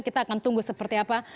kita akan tunggu seperti apa